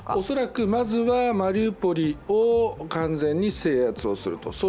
恐らくまずはマリウポリを完全に制圧をすると。